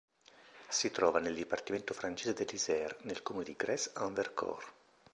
Si trova nel dipartimento francese dell'Isère nel comune di Gresse-en-Vercors.